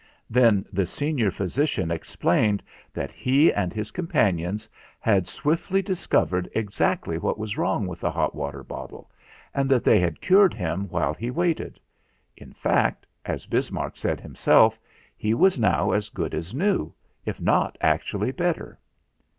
Then the Senior Physician explained that he and his companions had swiftly discovered exactly what was wrong with the hot water bottle, and that they had cured him while he waited. In fact, as Bismarck said himself, he was now as good as new, if not actually bet ter.